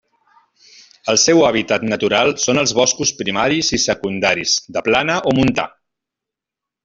El seu hàbitat natural són els boscos primaris i secundaris de plana o montà.